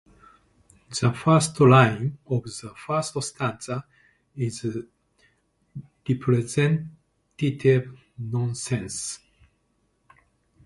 The first line of the first stanza is repetitive nonsense.